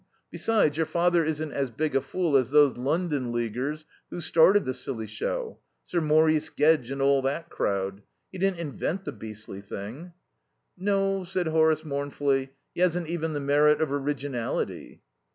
Besides, your father isn't as big a fool as those London Leaguers who started the silly show. Sir Maurice Gedge and all that crowd. He didn't invent the beastly thing." "No," said Horace mournfully, "he hasn't even the merit of originality."